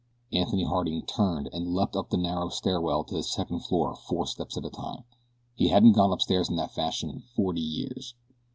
Anthony Harding turned and leaped up the narrow stairway to the second floor four steps at a time. He hadn't gone upstairs in that fashion in forty years.